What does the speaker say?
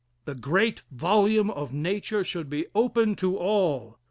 The great volume of Nature should be open to all.